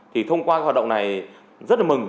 thì thông qua cái hoạt động này rất là mừng